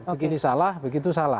begini salah begitu salah